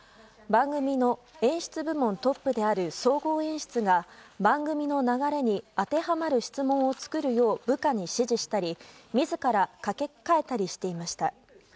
番組の演出部門トップである総合演出が番組の流れに当てはまる質問を作るよう部下に指示したり自ら書き換えたりしていました。